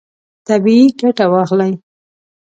طبیعي ګټه واخلئ.